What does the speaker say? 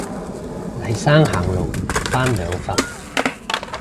黎生行路返兩份